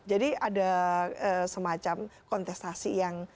jadi ada semacam kontestasi yang multiband